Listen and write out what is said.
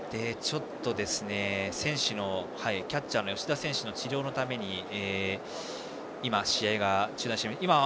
選手のキャッチャーの吉田選手の治療のために試合が中断しています。